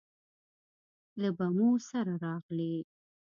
له بمو سره راغلې